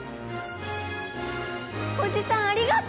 おじさんありがとう！